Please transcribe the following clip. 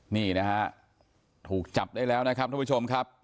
นี่นะฮะถูกจับได้แล้วนะครับทุกผู้ชมครับ